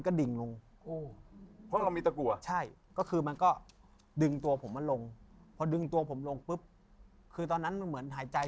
คุณคิดว่าที่คุณรอดมาได้เพราะเซียนซื้อทั้งสององค์นี้